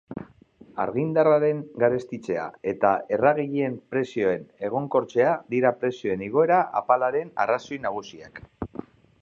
Argindarraren garestitzea eta erregaien prezioen egonkortzea dira prezioen igoera apalaren arrazoi nagusiak.